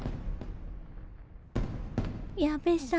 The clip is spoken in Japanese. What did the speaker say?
矢部さん